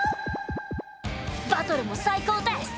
バトルも最高です！